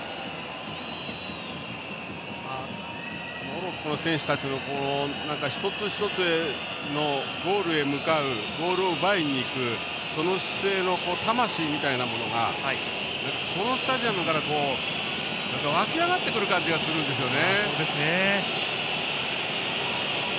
モロッコの選手たち一つ一つのゴールへ向かうボールを奪いにいく、その姿勢の魂みたいなものがこのスタジアムから湧き上がってくる感じがするんですね。